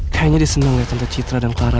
kayaknya dia seneng liat tante citra dan clara